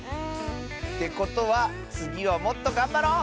てことはつぎはもっとがんばろう！